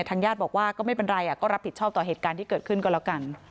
ทางญาติบอกว่าก็ไม่เป็นไรก็รับผิดชอบต่อเหตุการณ์ที่เกิดขึ้นก็แล้วกัน